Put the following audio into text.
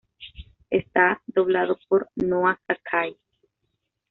Está doblado por Noa Sakai.